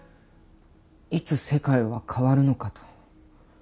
いつ世界は変わるのかと。